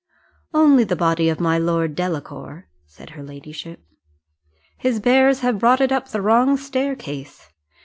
"Only the body of my Lord Delacour," said her ladyship: "his bearers have brought it up the wrong staircase.